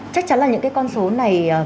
chắc chắn là những cái con số này